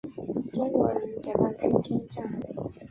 中国人民解放军中将。